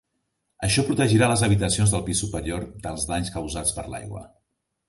Això protegirà les habitacions del pis superior dels danys causats per l'aigua.